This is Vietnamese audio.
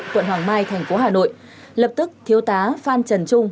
quận hoàng mai thành phố hà nội lập tức thiếu tá phan trần trung